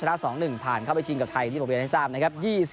ละ๒๑ผ่านเข้าไปชิงกับไทยที่ผมเรียนให้ทราบนะครับ